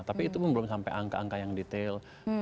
tapi itu pun belum sampai angka angka yang detail